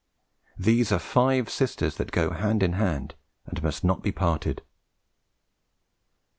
These are five sisters that go hand in hand, and must not be parted."